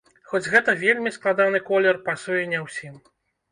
Хоць гэта вельмі складаны колер, пасуе не ўсім!